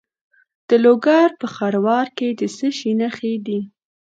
د لوګر په خروار کې د څه شي نښې دي؟